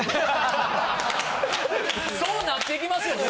そうなってきますよでも。